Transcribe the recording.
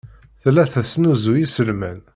Tella tesnuzuy iselman.